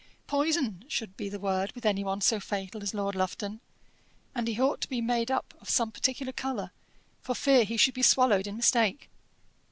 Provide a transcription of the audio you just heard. "'Poison' should be the word with any one so fatal as Lord Lufton; and he ought to be made up of some particular colour, for fear he should be swallowed in mistake."